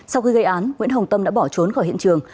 sau khi gây án nguyễn hồng tâm đã bỏ trốn khỏi hiện trường